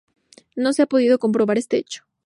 No se ha podido comprobar este hecho.